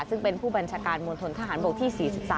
ซึ่งเป็นผู้บัญชาการมณฑนทหารบกที่๔๓